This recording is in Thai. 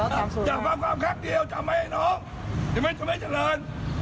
ก็บอกว่ากูผิดได้ไงกว่า